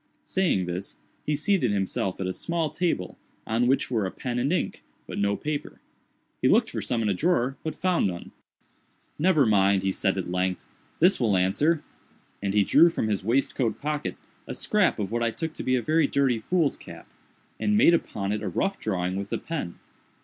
Saying this, he seated himself at a small table, on which were a pen and ink, but no paper. He looked for some in a drawer, but found none. "Never mind," said he at length, "this will answer;" and he drew from his waistcoat pocket a scrap of what I took to be very dirty foolscap, and made upon it a rough drawing with the pen.